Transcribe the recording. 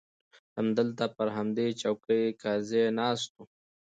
همدلته پر همدې چوکۍ کرزى ناست و.